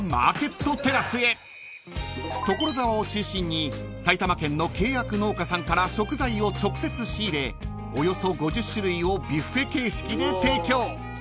［所沢を中心に埼玉県の契約農家さんから食材を直接仕入れおよそ５０種類をビュッフェ形式で提供］